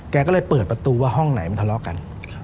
แกก็เลยเปิดประตูว่าห้องไหนมันทะเลาะกัน